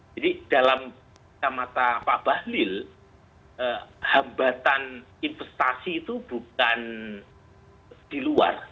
jadi dalam mata pak bahlil hambatan investasi itu bukan di luar